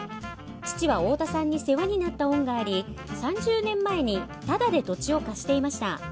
父は太田さんに世話になった恩があり３０年前にタダで土地を貸していました。